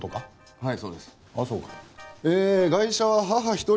はい。